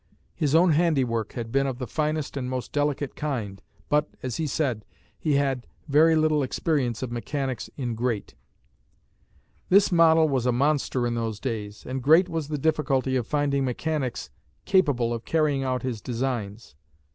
His own handiwork had been of the finest and most delicate kind, but, as he said, he had "very little experience of mechanics in great." This model was a monster in those days, and great was the difficulty of finding mechanics capable of carrying out his designs.